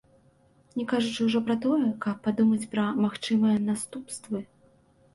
Не кажучы ўжо пра тое, каб падумаць пра магчымыя наступствы.